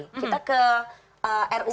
kita ke ruu berikutnya